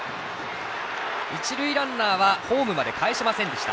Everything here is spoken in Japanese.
一塁ランナーはホームまでかえしませんでした。